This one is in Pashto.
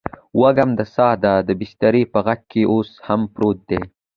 وږم د ساه دی دبسترپه غیږکې اوس هم پروت دي